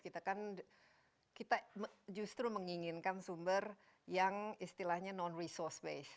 kita kan kita justru menginginkan sumber yang istilahnya non resource based